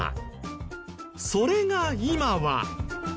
それが今は。